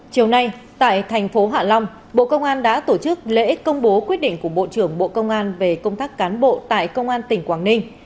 chiều nay tại thành phố hạ long bộ công an đã tổ chức lễ công bố quyết định của bộ trưởng bộ công an về công tác cán bộ tại công an tỉnh quảng ninh